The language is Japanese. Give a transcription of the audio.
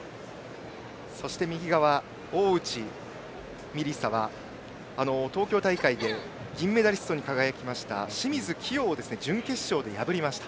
そして右側、大内美里沙は東京大会で銀メダリストに輝きました清水希容を準決勝で破りました。